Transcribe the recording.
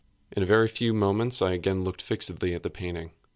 In a very few moments I again looked fixedly at the painting.